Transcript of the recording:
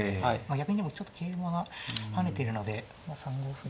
逆にでもちょっと桂馬が跳ねてるので３五歩が。